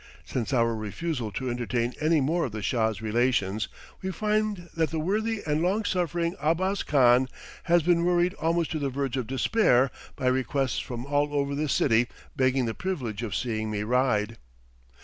Since our refusal to entertain any more of the "Shah's relations," we find that the worthy and long suffering Abbas Khan has been worried almost to the verge of despair by requests from all over the city begging the privilege of seeing me ride.